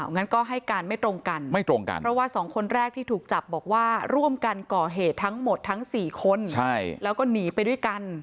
งั้นก็ให้การไม่ตรงกันไม่ตรงกันเพราะว่าสองคนแรกที่ถูกจับบอกว่าร่วมกันก่อเหตุทั้งหมดทั้ง๔คนแล้วก็หนีไปด้วยกัน